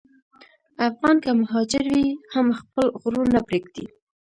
افغان که مهاجر وي، هم خپل غرور نه پرېږدي.